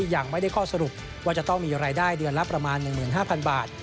ยังไม่ได้ข้อสรุปว่าจะต้องมีรายได้เดือนละประมาณ๑๕๐๐๐บาท